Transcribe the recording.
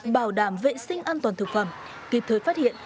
bảo đảm vệ sinh an toàn thực phẩm kịp thời phát hiện